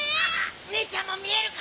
ねえちゃんも見えるか？